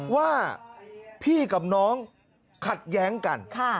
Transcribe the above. ว่าพี่กับน้องขัดแย้งกัน